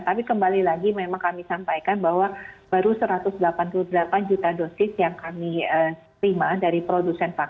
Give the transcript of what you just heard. tapi kembali lagi memang kami sampaikan bahwa baru satu ratus delapan puluh delapan juta dosis yang kami terima dari produsen vaksin